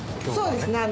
そうですね。